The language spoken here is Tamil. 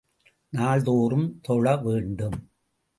நாள்தோறும் தொழ வேண்டும்.